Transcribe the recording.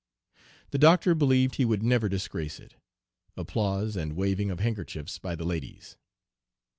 The Doctor believed he would never disgrace it. (Applause, and waving of handkerchiefs by the ladies.)